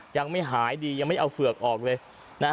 ยังไม่หายดียังไม่เอาเฝือกออกเลยนะฮะ